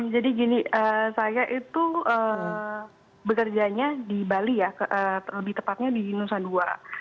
jadi gini saya itu bekerjanya di bali ya lebih tepatnya di nusa dua